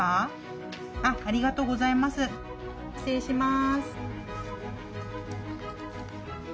失礼します。